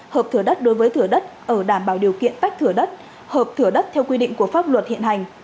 hợp thửa đất đối với thửa đất ở đảm bảo điều kiện tách thửa đất hợp thửa đất theo quy định của pháp luật hiện hành